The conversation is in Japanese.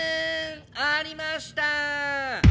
ありました！